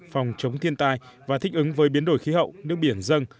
phòng chống thiên tai và thích ứng với biến đổi khí hậu nước biển dân